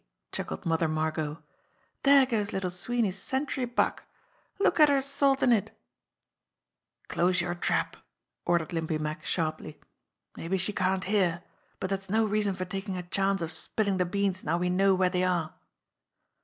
chuckled Mother Margot. "Dere goes Little Sweeney's century buck. Look at her saltin' it !" "Close your trap!" ordered Limpy Mack sharply. "Maybe she can't hear, but that's no reason for taking a chance of spilling the beans now we know where they are."